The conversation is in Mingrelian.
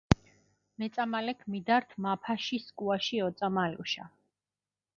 მეწამალექ მიდართ მაფაში სქუაში ოწამალუშა.